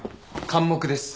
完黙です。